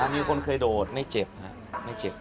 มีคนเคยโดดไม่เจ็บ